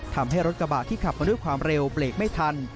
ทำให้รถกระบะที่ขับมาด้วยความเร็วเบรกไม่ทัน